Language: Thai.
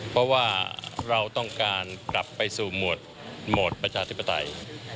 เพราะว่าเราต้องการกลับไปสู่โหมดประชาธิปไตย